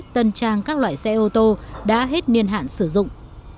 tân trang các loại xe ô tô đã hết niên hạn sử dụng